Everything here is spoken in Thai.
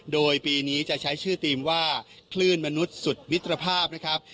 โดยปีนี้จะใช้ชื่อธีมว่าคลื่นมนุษย์สุดมิตรภาพนะครับ